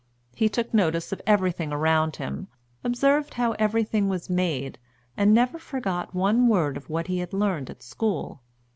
He took notice of everything around him, observed how everything was made, and never forgot one word of what he had learned at school.